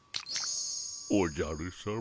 おじゃるさま。